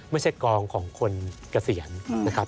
ไม่ใช่กองของคนเกษียณนะครับ